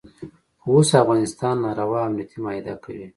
خو اوس افغانستان ناروا امنیتي معاهده کوي.